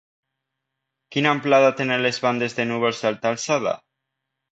Quina amplada tenen les bandes de núvols d'alta alçada?